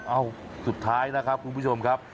เอ้าสุดท้ายนะครับคุณผู้ชมครับ